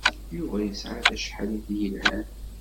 Yuba yesɛa tacehṛit yelhan.